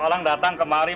ada orang datang kemari